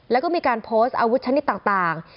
แล้วก็มีการโพสต์อาวุธชนิดต่าง